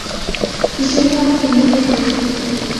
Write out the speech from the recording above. ঈশ্বরকে আমরা তিনভাবে ধারণা করিতে পারি।